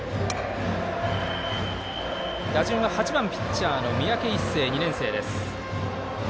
打順、８番ピッチャーの三宅一誠、１年生です。